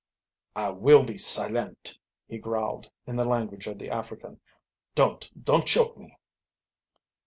"I will be silent!" he growled, in the language of the African. "Don't don't choke me."